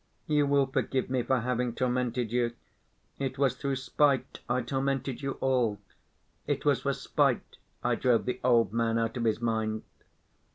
"You will forgive me for having tormented you? It was through spite I tormented you all. It was for spite I drove the old man out of his mind....